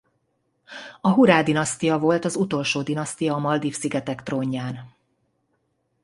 A Hurá-dinasztia volt az utolsó dinasztia a Maldív-szigetek trónján.